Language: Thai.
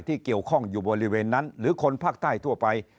ที่เกี่ยวข้องอยู่บริเวณนั้นหรือคนภาคใต้ทั่วไป